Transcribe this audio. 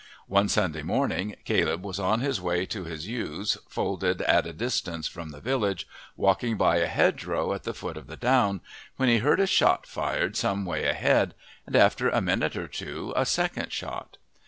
One Sunday morning Caleb was on his way to his ewes folded at a distance from the village, walking by a hedgerow at the foot of the down, when he heard a shot fired some way ahead, and after a minute or two a second shot.